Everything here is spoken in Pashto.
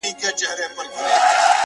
o ياره وس دي نه رسي ښكلي خو ســرزوري دي؛